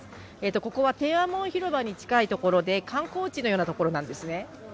ここは天安門広場に近いところで観光地のような所なんですね。